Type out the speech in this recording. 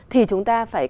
thì chúng ta phải